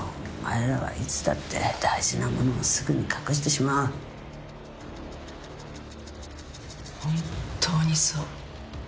「お前らはいつだって大事なものをすぐに隠してしまう」「本当にそう」